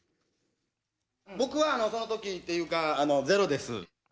僕はそのときっていうか、ゼロです。